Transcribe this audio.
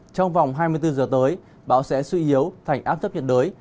trong vòng hai mươi bốn giờ tới bão sẽ suy yếu thành áp thấp nhiệt đới